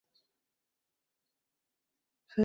隋文帝开皇十六年。